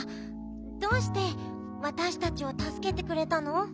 どうしてわたしたちをたすけてくれたの？